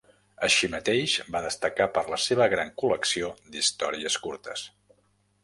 Així mateix, va destacar per la seva gran col·lecció d'històries curtes.